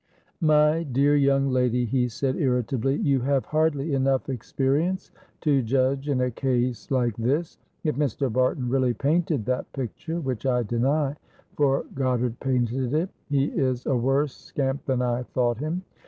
"My dear young lady," he said, irritably, "you have hardly enough experience to judge in a case like this. If Mr. Barton really painted that picture, which I deny, for Goddard painted it, he is a worse scamp than I thought him.